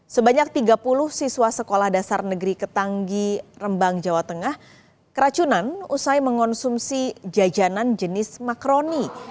sebanyak tiga puluh siswa sekolah dasar negeri ketanggi rembang jawa tengah keracunan usai mengonsumsi jajanan jenis makroni